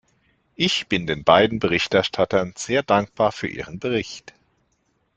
Ich bin den beiden Berichterstattern sehr dankbar für ihren Bericht.